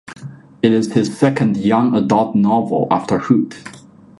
It is his second young adult novel, after "Hoot".